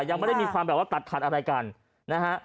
ยังไม่ได้มีความแบบว่าตัดขาดอะไรกันนะฮะ